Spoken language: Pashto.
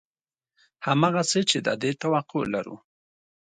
همغسې چې د دې توقع لرو